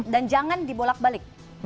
dan jangan dibolak balik